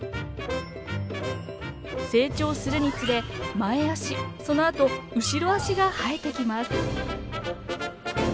成長するにつれ前足そのあと後ろ足が生えてきます。